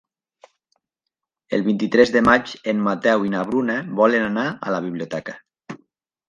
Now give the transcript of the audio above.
El vint-i-tres de maig en Mateu i na Bruna volen anar a la biblioteca.